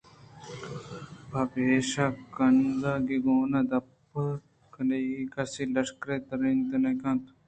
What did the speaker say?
پہ پِیش ءُ کانزگے کُون ءِ دپ ءِ بندگ ءَ کس لشکرے تَرّ ینت نہ کنت